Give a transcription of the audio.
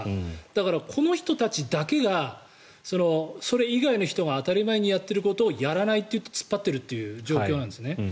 だから、この人たちだけがそれ以外の人が当たり前にやってることをやらないって突っ張ってるという状況なんですね。